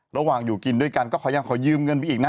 ระหว่างอยู่กินด้วยกันก็ขอยังขอยืมเงินไปอีกนะ